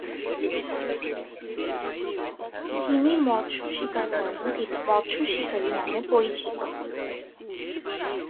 যিনি মৎস্য শিকার করেন তিনি মৎস্য শিকারী নামে পরিচিত।